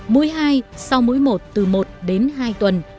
mũi hai sau mỗi một từ một đến hai tuần